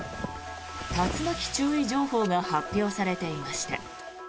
竜巻注意情報が発表されていました。